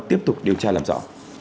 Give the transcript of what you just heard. tiếp tục điều tra làm rõ